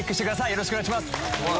よろしくお願いします。